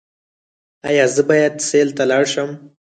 ایا زه باید سیل ته لاړ شم؟